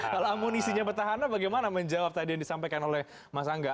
kalau amunisinya petahana bagaimana menjawab tadi yang disampaikan oleh mas angga